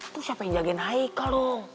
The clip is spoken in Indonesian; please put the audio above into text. lu siapa yang jagain haika dong